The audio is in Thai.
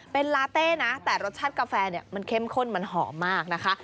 เป็นลาเต้นะแต่รสชาติกาแฟเนี่ยมันเข้มข้นมันหอมมากนะคะ